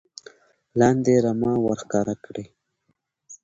لاندې رمه ور ښکاره کړي .